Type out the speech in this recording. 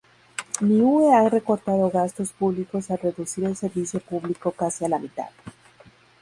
Niue ha recortado gastos públicos al reducir el servicio público casi a la mitad.